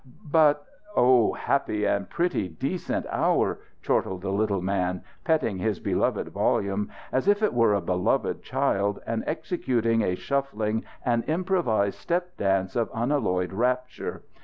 "But " "Oh, happy and pretty decent hour!" chortled the little man, petting his beloved volume as if it were a loved child and executing a shuffling and improvised step dance of unalloyed rapture.